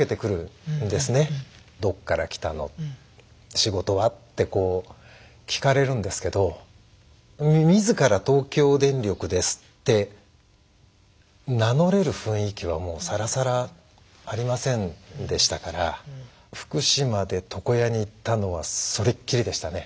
仕事は？」ってこう聞かれるんですけど自ら「東京電力です」って名乗れる雰囲気はもうさらさらありませんでしたから福島で床屋に行ったのはそれっきりでしたね。